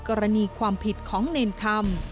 กรณีความผิดของเนรธรรม